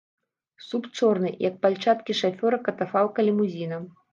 Суп, чорны, як пальчаткі шафёра катафалка-лімузіна.